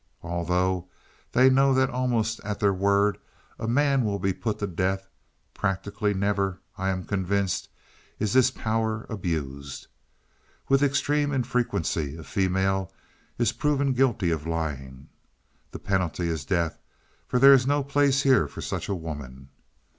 Although they know that almost at their word a man will be put to death, practically never, I am convinced, is this power abused. With extreme infrequency, a female is proven guilty of lying. The penalty is death, for there is no place here for such a woman!